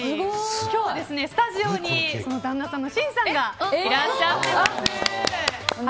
今日はスタジオに旦那さんのシンさんがいらっしゃってます。